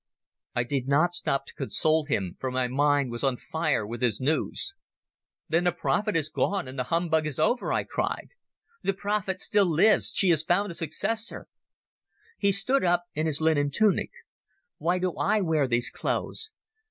I did not stop to console him, for my mind was on fire with his news. "Then the prophet is gone, and the humbug is over," I cried. "The prophet still lives. She has found a successor." He stood up in his linen tunic. "Why do I wear these clothes?